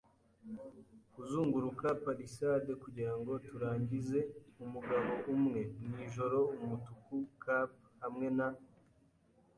kuzunguruka palisade kugirango turangize. Umugabo umwe, mwijoro-umutuku-cap, hamwe na